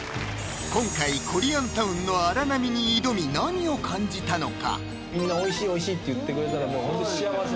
今回コリアンタウンの荒波に挑み何を感じたのか？